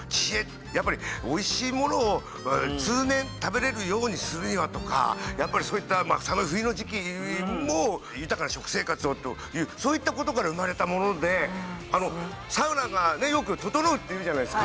やっぱりおいしいものを通年食べれるようにするにはとかやっぱりそういった寒い冬の時期も豊かな食生活をというそういったことから生まれたものでサウナがねよく「整う」って言うじゃないですか。